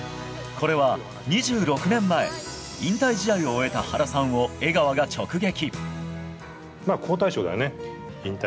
これは２６年前引退試合を終えた原さんを江川が直撃。